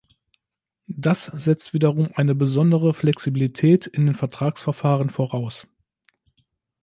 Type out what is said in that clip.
Das setzt wiederum eine besondere Flexibilität in den Vertragsverfahren voraus.